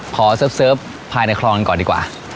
เสิร์ฟภายในคลองกันก่อนดีกว่า